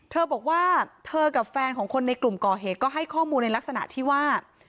เธอบอกว่าเธอกับแฟนของคนในกลุ่มก่อเหตุก็ให้ข้อมูลในลักษณะที่ว่า